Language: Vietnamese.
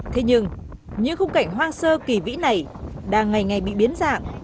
thế nhưng những khung cảnh hoang sơ kỳ vĩ này đang ngày ngày bị biến dạng